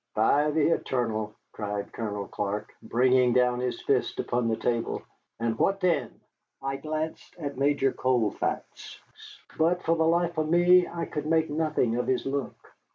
"By the eternal!" cried Colonel Clark, bringing down his fist upon the table. "And what then?" I glanced at Major Colfax, but for the life of me I could make nothing of his look.